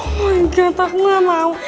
oh my god takutnya mau